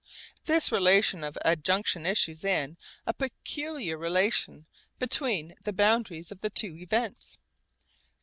This relation of adjunction issues in a peculiar relation between the boundaries of the two events.